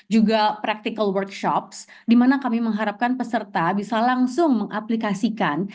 juga practical workshop dimana kami mengharapkan peserta bisa langsung mengaplikasikan